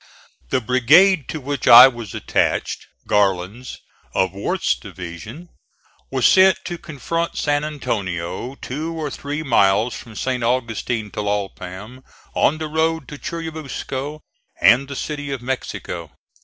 The brigade to which I was attached Garland's, of Worth's division was sent to confront San Antonio, two or three miles from St. Augustin Tlalpam, on the road to Churubusco and the City of Mexico.